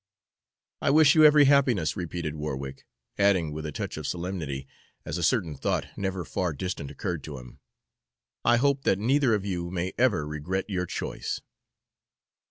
"I wish you every happiness," repeated Warwick; adding, with a touch of solemnity, as a certain thought, never far distant, occurred to him, "I hope that neither of you may ever regret your choice."